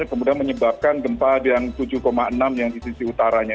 kemudian menyebabkan gempa yang tujuh enam yang di sisi utaranya